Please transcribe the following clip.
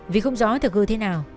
vì không rõ thật gư thế nào